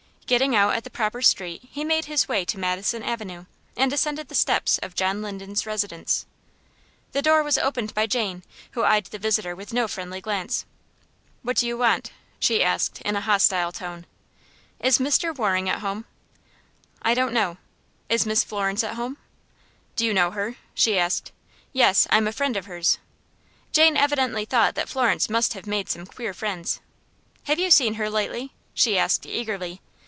Getting out at the proper street, he made his way to Madison Avenue, and ascended the steps of John Linden's residence. The door was opened by Jane, who eyed the visitor with no friendly glance. "What do you want?" she asked, in a hostile tone. "Is Mr. Waring at home?" "I don't know." "Is Miss Florence at home?" "Do you know her?" she asked. "Yes; I am a friend of hers." Jane evidently thought that Florence must have made some queer friends. "Have you seen her lately?" she asked eagerly.